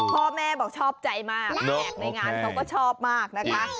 พ่อแม่บอกชอบใจมากแขกในงานเขาก็ชอบมากนะคะ